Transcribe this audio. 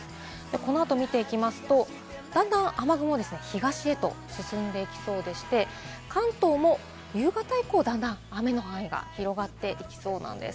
このあと見ていきますと、だんだん雨雲は東へと進んでいきそうでして、関東も夕方以降、だんだん雨の範囲が広がっていきそうです。